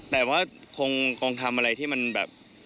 แต่ว่าคงทำอะไรที่มันแบบ